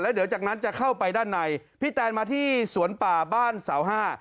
เดี๋ยวจากนั้นจะเข้าไปด้านในพี่แตนมาที่สวนป่าบ้านเสาห้า